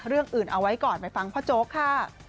เรื่องอื่นเอาไว้ก่อนไปฟังพ่อโจ๊กค่ะ